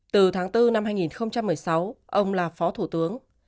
từ tháng bốn năm hai nghìn một mươi sáu ông là phó thủ tướng